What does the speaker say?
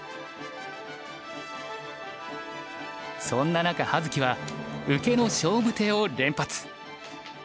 そんな中葉月は受けの勝負手を連発。